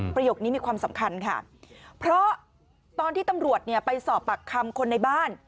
ประโยคนี้มีความสำคัญค่ะเพราะตอนที่ตำรวจเนี่ยไปสอบปากคำคนในบ้าน